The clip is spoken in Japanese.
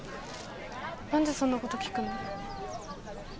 何でそんなこと聞くの？